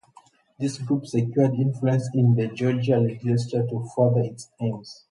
This group secured influence in the Georgia legislature to further its aims.